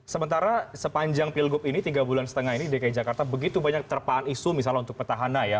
sementara sepanjang pilgub ini tiga bulan setengah ini dki jakarta begitu banyak terpaan isu misalnya untuk petahana ya